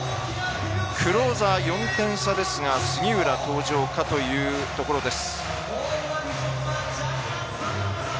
クローザー、４点差ですが杉浦登場かというところです。